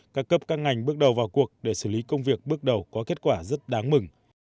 các cấp các ngành bước đầu vào cuộc để xử lý công việc bước đầu có kết quả rất đáng mừng